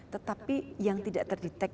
tetapi yang tidak terdetek